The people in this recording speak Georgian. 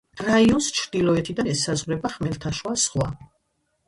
რაიონს ჩრდილოეთიდან ესაზღვრება ხმელთაშუა ზღვა.